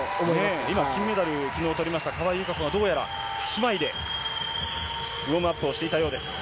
今、金メダルをとりました川井友香子が、姉妹でウォームアップをしていたようです。